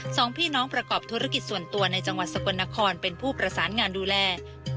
สองพี่น้องประกอบธุรกิจส่วนตัวในจังหวัดสกลนครเป็นผู้ประสานงานดูแล